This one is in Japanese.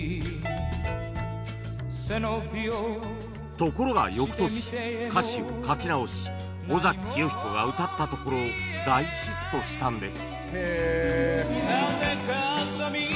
ところが翌年歌詞を書き直し尾崎紀世彦が歌ったところ大ヒットしたんです